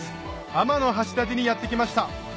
天橋立にやって来ました